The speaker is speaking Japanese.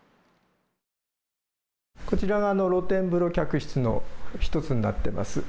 こちらが露天風呂客室の１つになってます。